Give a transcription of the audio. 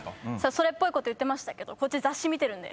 それっぽいこと言ってましたけどこっち雑誌見てるんで。